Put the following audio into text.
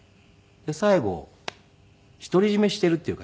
最後独り占めしてるっていうか